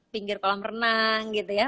pinggir kolam renang gitu ya